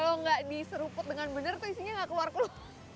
kalau nggak diseruput dengan benar tuh isinya nggak keluar perut